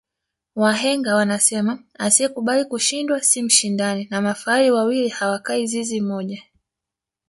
wahenga wanasema asiyekubali kushindwa si mshindani na mafahari wawili awakai zizi moja